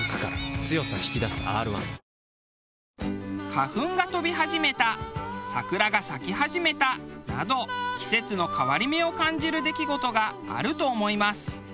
花粉が飛び始めた桜が咲き始めたなど季節の変わり目を感じる出来事があると思います。